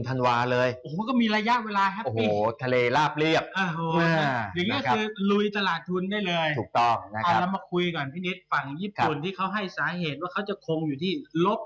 ฝั่งญี่ปุ่นที่เขาให้สาเหตุว่าเขาจะคงอยู่ที่ลบ๐๑